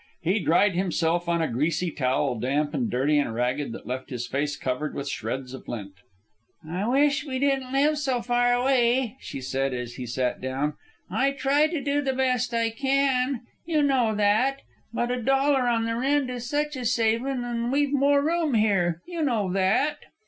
He dried himself on a greasy towel, damp and dirty and ragged, that left his face covered with shreds of lint. "I wish we didn't live so far away," she said, as he sat down. "I try to do the best I can. You know that. But a dollar on the rent is such a savin', an' we've more room here. You know that."